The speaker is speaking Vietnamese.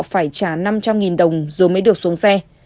phải trả năm trăm linh đồng rồi mới được xuống xe